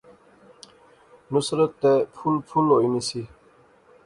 نصرت تے پُھل پُھل ہوئی نی سی